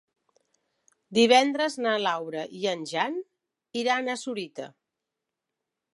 Divendres na Laura i en Jan iran a Sorita.